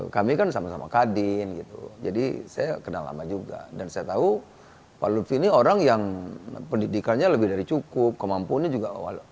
kami kan sama sama kadin gitu jadi saya kenal lama juga dan saya tahu pak lutfi ini orang yang pendidikannya lebih dari cukup kemampuannya juga